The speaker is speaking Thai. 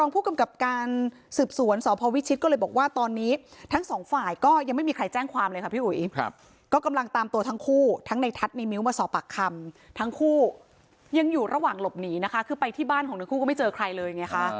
พี่อุ๋ยก็ทำตามตัวทั้งคู่ทั้งในทัศน์ในมิ้วมาสอบปากคำทั้งคู่ยังอยู่ระหว่างหลบหนีนะคะคือไปที่บ้านของหนึ่งคู่ก็ไม่เจอใครเลยไหมคะ